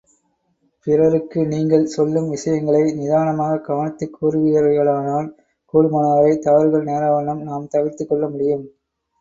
பிறருக்கு நீங்கள் சொல்லும் விஷயங்களை, நிதானமாக கவனித்துக் கூறுவீர்களேயானால், கூடுமானவரை தவறுகள் நேராவண்ணம் நாம் தவிர்த்துக் கொள்ள முடியும்.